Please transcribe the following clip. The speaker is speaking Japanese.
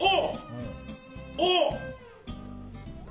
おっ！